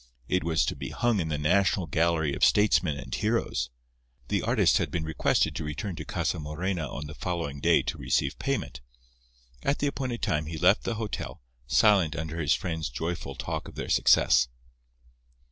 It was to be hung in the National Gallery of Statesmen and Heroes. The artist had been requested to return to Casa Morena on the following day to receive payment. At the appointed time he left the hotel, silent under his friend's joyful talk of their success.